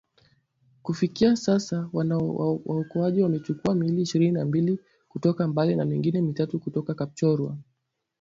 Kufikia sasa waokoaji wamechukua miili ishirini na mbili kutoka Mbale na mingine mitatu kutoka Kapchorwa